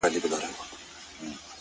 • زما د زړه ډېوه روښانه سي؛